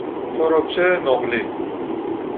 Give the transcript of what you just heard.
تربچهٔ نقلی